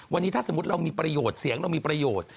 วันนี้ถ้าสมมุติเรามีประโยชน์เสียงเรามีประโยชน์